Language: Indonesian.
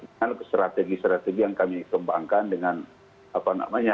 dengan strategi strategi yang kami kembangkan dengan apa namanya